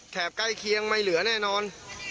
ใกล้เคียงไม่เหลือแน่นอน